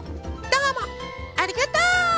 どうもありがとう！